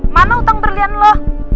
mana utang berlian lo